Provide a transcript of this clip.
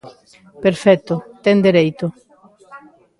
Perfecto, ten dereito.